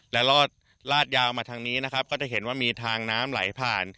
และรอดลาดยาวมาทางนี้นะครับก็จะเห็นว่ามีทางน้ำไหลผ่าน